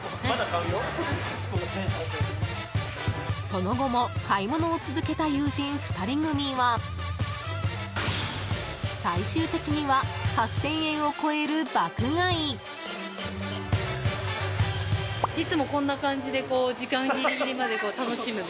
その後も買い物を続けた友人２人組は最終的には８０００円を超える爆買い。